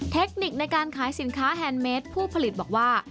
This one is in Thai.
เทคนิคในการขายสินค้าแฮนดเมสผู้ผลิตบอกว่า